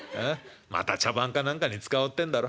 また茶番か何かに使おうってんだろ。